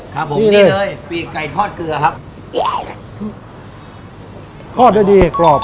ครับผมนี่เลยปีกไก่ทอดเกลือครับ